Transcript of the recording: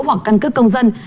hoặc căn cứ công dân